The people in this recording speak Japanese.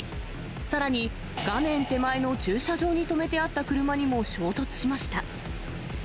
さらに画面手前の駐車場に止めてあった車にも衝突しました。